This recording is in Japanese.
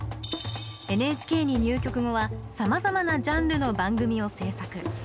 ＮＨＫに入局後はさまざまなジャンルの番組を制作。